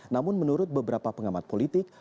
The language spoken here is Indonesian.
namun menurut beberapa pengamat politik